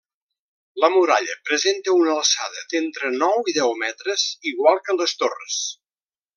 La muralla presenta una alçada d'entre nou i deu metres, igual que les torres.